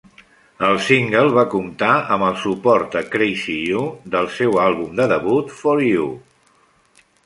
El single va comptar amb el suport de "Crazy You", del seu àlbum de debut, "For You".